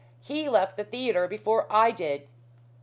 He left the theatre before I did."